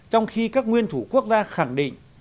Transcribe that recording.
trong khi các nguyên thủ quốc gia khẳng định